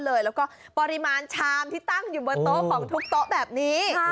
แล้วก็ปริมาณชามที่ตั้งอยู่บนโต๊ะของทุกโต๊ะแบบนี้